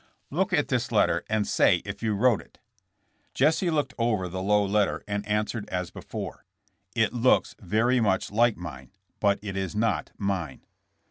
Look at this letter and say if you wrote it." Jesse looked over the Lowe letter and answered as before ; *'It looks very much like mine, but it is not mine."